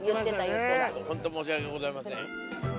ホント申し訳ございません。